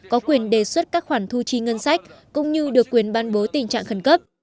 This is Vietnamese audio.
có quyền đề xuất các khoản thu chi ngân sách cũng như được quyền ban bố tình trạng khẩn cấp